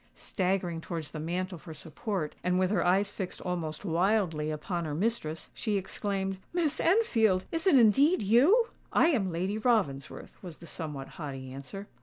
Staggering towards the mantel for support, and with her eyes fixed almost wildly upon her mistress, she exclaimed, "Miss Enfield! Is it indeed you?" "I am Lady Ravensworth," was the somewhat haughty answer.